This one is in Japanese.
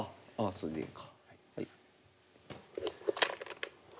それでいいのか。